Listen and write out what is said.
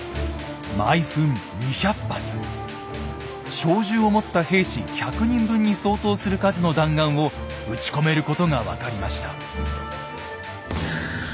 小銃を持った兵士１００人分に相当する数の弾丸を撃ち込めることが分かりました。